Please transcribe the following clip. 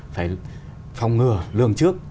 phải phòng ngừa lường trước